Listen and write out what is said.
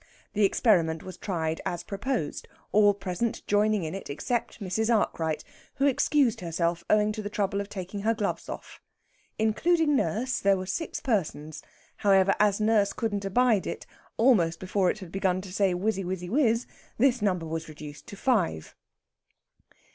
The experiment was tried as proposed, all present joining in it except Mrs. Arkwright, who excused herself owing to the trouble of taking her gloves off. Including nurse, there were six persons. However, as nurse couldn't abide it, almost before it had begun to say whizzy wizzy wizz, this number was reduced to five.